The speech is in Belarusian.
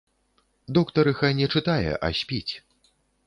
Доктарыха не чытае, а спіць.